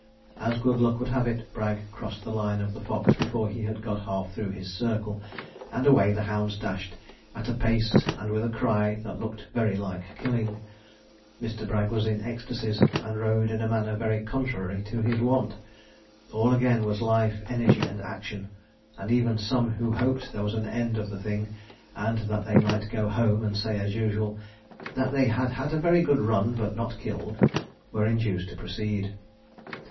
As good luck would have it, Bragg crossed the line of the fox before he had got half through his circle, and away the hounds dashed, at a pace and with a cry that looked very like killing. Mr. Bragg was in ecstasies, and rode in a manner very contrary to his wont. All again was life, energy, and action; and even some who hoped there was an end of the thing, and that they might go home and say, as usual, 'that they had had a very good run, but not killed,' were induced to proceed.